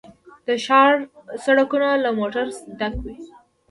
د ښار سړکونه له موټرو ډک وي